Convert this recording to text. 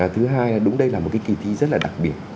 thứ hai đúng đây là một cái kỳ thi rất là đặc biệt